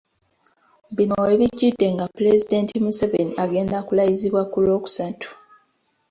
Bino we bijjidde nga Pulezidenti Museveni agenda kulayizibwa ku Lwokusatu.